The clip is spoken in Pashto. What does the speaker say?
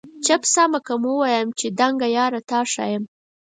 چپ سمه که ووایم چي دنګه یاره تا ښایم؟